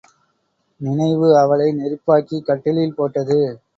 நினைவு அவளை நெருப்பாக்கிக் கட்டிலில் போட்டது.